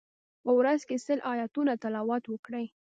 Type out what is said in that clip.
په ورځ کی سل آیتونه تلاوت وکړئ.